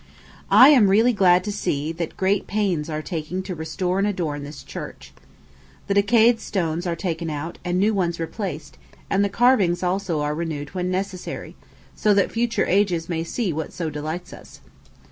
I am really glad to see that great pains are taking to restore and adorn this church. The decayed stones are taken out, and new ones replaced, and the carvings also are renewed where necessary, so that future ages may see what so delights us.